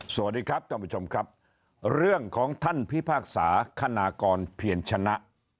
สวัสดีครับท่านผู้ชมครับเรื่องของท่านพิพากษาคณากรเพียรชนะ